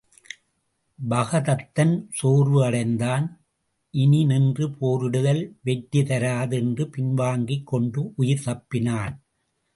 பகதத்தன் சோர்வு அடைந்தான் இனி நின்று போரிடுதல் வெற்றி தராது என்று பின்வாங்கிக் கொண்டு உயிர் தப்பினான்.